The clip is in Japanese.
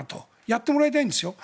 やってもらいたいんですよ。